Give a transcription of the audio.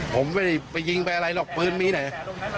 ผมไม่ได้ไปยิงไปอะไรหรอกปืนมีไหน